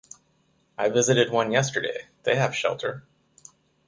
I visited one yesterday, they have shelter.